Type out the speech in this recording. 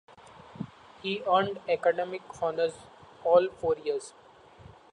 He earned academic honors all four years.